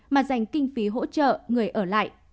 mà dành kinh phí hỗ trợ người ở lại